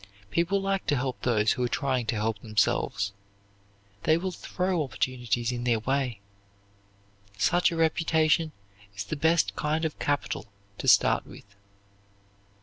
People like to help those who are trying to help themselves. They will throw opportunities in their way. Such a reputation is the best kind of capital to start with.